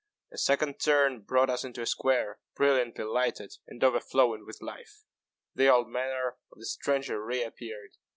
A second turn brought us into a square, brilliantly lighted, and overflowing with life. The old manner of the stranger re appeared.